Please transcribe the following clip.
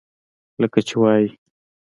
لکه چې وائي ۔